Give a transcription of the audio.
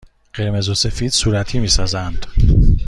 قرمز و سفید صورتی می سازند.